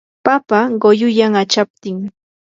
papa quyuyan achaptin.